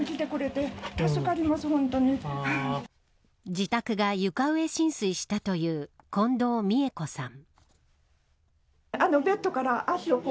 自宅が床上浸水したという近藤美恵子さん。